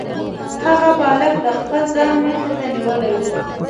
هغه بالښت د خپل ځان مخې ته نیولی و